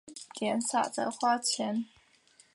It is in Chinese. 那森达赖出身台吉。